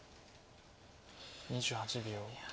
２８秒。